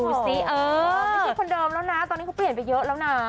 ไม่ใช่คนเดิมแล้วนะตอนนี้เขาเปลี่ยนไปเยอะแล้วนะ